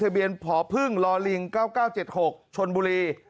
ทะเบียนพพล๙๙๗๖ชนบุรี